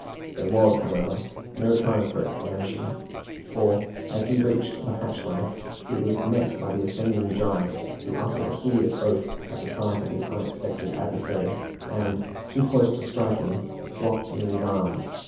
There was, however, no time for explanation, for, as he reached the hatchway, he was met by the ascending giant, who uttered a hideous oath at the sight of this unexpected adversary, and, too close to strike him, locked him in his arms.